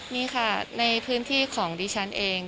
นี่ค่ะในพื้นที่ของดิฉันเอง